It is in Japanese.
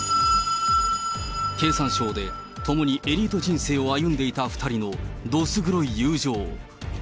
経産省で共にエリート人生を歩んでいた２人のどす黒い友情。